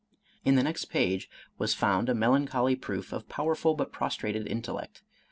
In the next page was found a melancholy proof of powerful but prostrated intellect.